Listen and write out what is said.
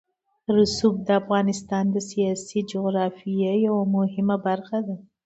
رسوب د افغانستان د سیاسي جغرافیه یوه مهمه برخه ده.